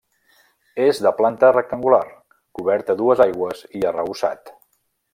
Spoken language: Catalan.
És de planta rectangular, cobert a dues aigües i arrebossat.